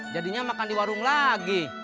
jadinya makan di warung lagi